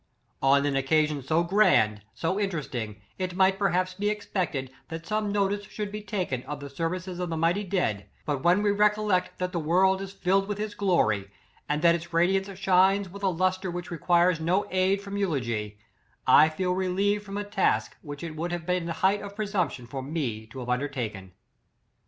On an occasion so grand, so interesting, it might perhaps be expected, that some no tice should be taken of ' the services of the mighty dead;' but when we recollect, that the world is filled with his glory, and that its radiance shines with a lustre which requires no aid from eulogy, I feel relieved from a task which it would have been the height of presumption for me to , have undertaken.